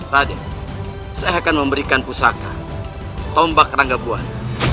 raden saya akan memberikan pusaka tombak rangga buah